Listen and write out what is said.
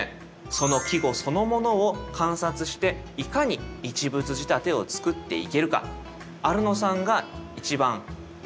その季語そのものを観察していかに一物仕立てを作っていけるか。